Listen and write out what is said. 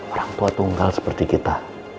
orang tua tunggal seperti kita